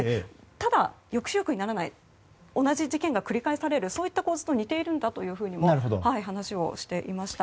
ただ、抑止力にならない同じ事件が繰り返されるそういった構図と似ているんだとも話をしていました。